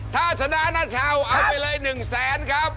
ถ้าชนะแน่ชาวเอาไปเลย๑แสนครับค่ะครับ